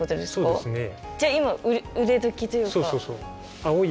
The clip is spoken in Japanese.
そうですね。